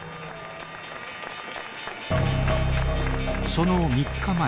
その３日前